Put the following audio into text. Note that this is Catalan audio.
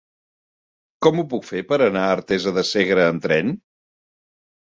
Com ho puc fer per anar a Artesa de Segre amb tren?